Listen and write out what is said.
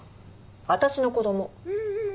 私の子供。